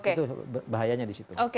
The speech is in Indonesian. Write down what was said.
itu bahayanya di situ